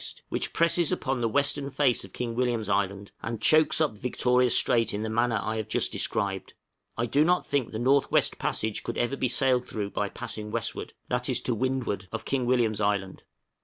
which presses upon the western face of King William's Island, and chokes up Victoria Strait in the manner I have just described. I do not think the North West Passage could ever be sailed through by passing westward that is, to windward of King William's Island.